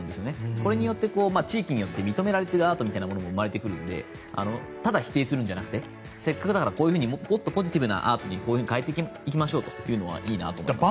これによって、地域によって認められているアートみたいなのも生まれてくるんでただ否定するんじゃなくてせっかくだからこういうふうにもっとポジティブなアートにこういうふうに変えていきましょうというのはいいと思いますね。